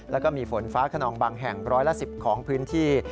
แล้วก็มีฝนฟ้าขนองบางแห่งร้อยละ๑๐ของพื้นที่